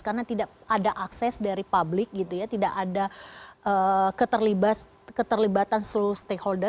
karena tidak ada akses dari publik tidak ada keterlibatan seluruh stakeholder